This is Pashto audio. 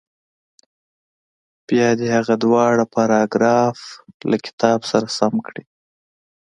بیا دې هغه دواړه پاراګراف له کتاب سره سم کړي.